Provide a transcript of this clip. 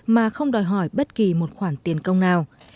mà không đòi hỏi bất kỳ một khoản tiền công nào